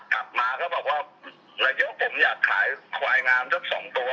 กลับมาเขาบอกว่าแล้วเดี๋ยวผมอยากขายควายงามทั้งสองตัว